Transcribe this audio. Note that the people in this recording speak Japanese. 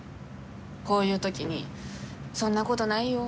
こういう時に「そんなことないよ。